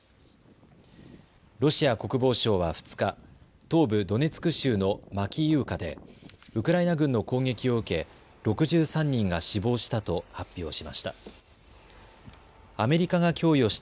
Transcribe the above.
ロシア国防省は２日東部ドネツク州のマキイウカでウクライナ軍の攻撃を受け６３人が死亡したと発表しました。